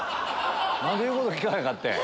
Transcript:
何で言うこと聞かへんかってん！